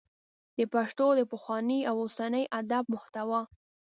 د پښتو د پخواني او اوسني ادب محتوا